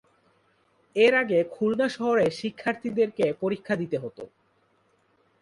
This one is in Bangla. এর আগে খুলনা শহরে শিক্ষার্থীদেরকে পরীক্ষা দিতে হত।